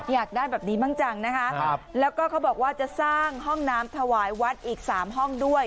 อยากได้แบบนี้บ้างจังนะคะแล้วก็เขาบอกว่าจะสร้างห้องน้ำถวายวัดอีก๓ห้องด้วย